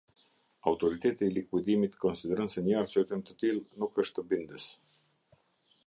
Autoriteti i Likuidimit konsideron se një arsyetim të tillë nuk është bindës.